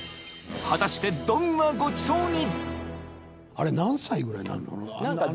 ［果たしてどんなごちそうに？］